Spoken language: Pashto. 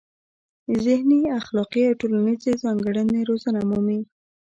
ذهني، اخلاقي او ټولنیزې ځانګړنې روزنه مومي.